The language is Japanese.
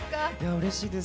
うれしいです。